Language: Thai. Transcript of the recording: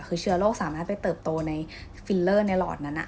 คือเชื้อโรคสามารถไปเติบโตในฟิลเลอร์ในหลอดนั้น